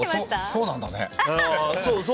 そうなんだね！